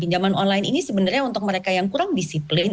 pinjaman online ini sebenarnya untuk mereka yang kurang disiplin